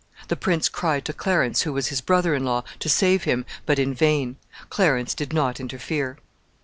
The prince cried to Clarence, who was his brother in law, to save him, but in vain; Clarence did not interfere.